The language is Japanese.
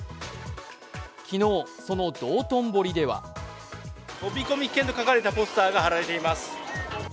昨日、その道頓堀では飛込み危険と書かれたポスターが貼られています。